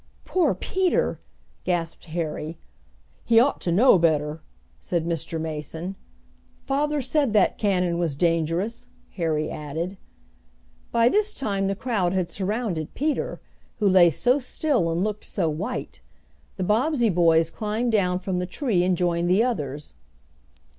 "Poor Peter!" gasped Harry. "He ought to know better!" said Mr. Mason. "Father said that cannon was dangerous," Harry added. By this time the crowd had surrounded Peter, who lay so still and looked so white. The Bobbsey boys climbed down from the tree and joined the others.